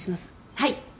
はい。